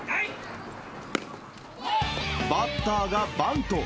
バッターがバント。